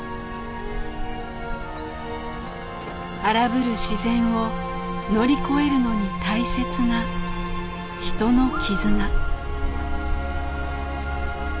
荒ぶる自然を乗り越えるのに大切な人の絆。